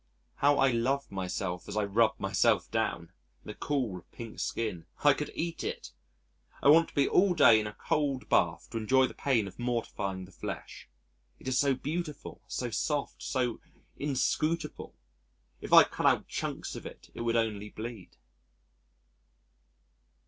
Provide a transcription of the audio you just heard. How I love myself as I rub myself down! the cool, pink skin I could eat it! I want to be all day in a cold bath to enjoy the pain of mortifying the flesh it is so beautiful, so soft, so inscrutable if I cut out chunks of it, it would only bleed.